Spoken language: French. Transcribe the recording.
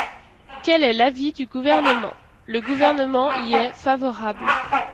Quel est l’avis du Gouvernement ? Le Gouvernement y est favorable.